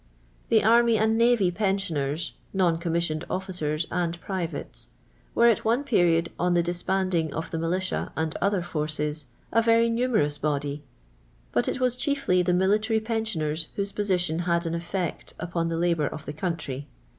The array and navj' pensioners (non commis sioned ofHcers and privates) were, at one period, on Xha disbanding of the ipilitia and other forces, a verj' numerous body, but it was chiefly the miliUiry pensioners whose position had an effect upon the Ubonr of the country'.